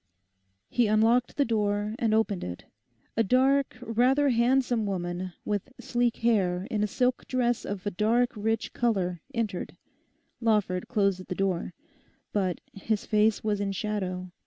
He unlocked the door and opened it. A dark, rather handsome woman, with sleek hair, in a silk dress of a dark rich colour entered. Lawford closed the door. But his face was in shadow.